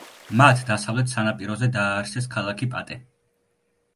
მათ დასავლეთ სანაპიროზე დააარსეს ქალაქი პატე.